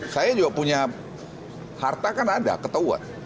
saya juga punya harta kan ada ketahuan